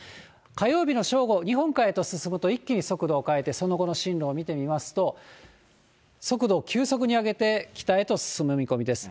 火曜日の正午、日本海へと進むと、一気に速度を変えて、その後の進路を見てみますと、速度を急速に上げて、北へと進む見込みです。